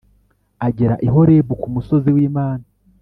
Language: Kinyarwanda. agera i Horebu ku musozi w’Imana